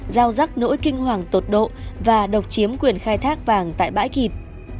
giao rắc nỗi kinh hoàng tột độ và độc chiếm quyền khai thác vàng tại bãi thịt